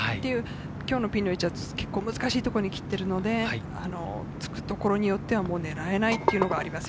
今日、ピンの位置は難しい所に切っているので、突く所によっては狙えないというのがあります。